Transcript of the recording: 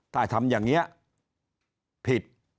ถ้าทำอย่างนี้ผิด